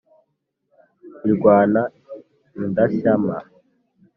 irwana idashyama